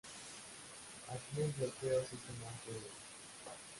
Así el bloqueo se hizo más duro.